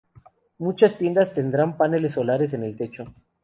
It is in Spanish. Muchas tiendas tendrán paneles solares en el techo.